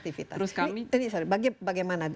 terus kami bagaimana